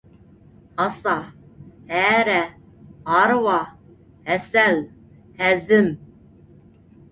ھاسا، ھەرە، ھارۋا، ھەسەل، ھەزىم.